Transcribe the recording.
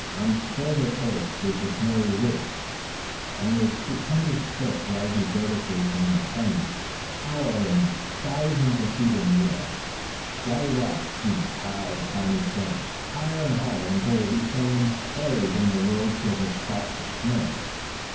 On its farther edge was the snowy ridge, with stupendous cliffs rising vertically from the plain, towering thousands of feet in height. Dark rocks seemed piled upon each other, higher and higher, until they became buried under robes of the spotless snow.